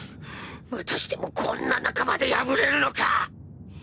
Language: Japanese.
またしてもこんな半ばで敗れるのか！